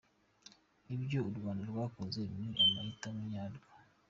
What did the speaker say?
‘Ibyo u Rwanda rwakoze ni amahitamo yarwo’